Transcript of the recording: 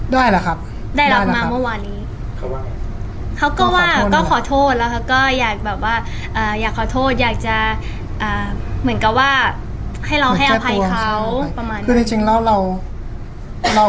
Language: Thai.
ได้รับคำขอโทษจากร้านหรืออย่างไร